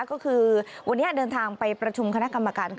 ก็คือวันนี้เดินทางไปประชุมคณะกรรมการ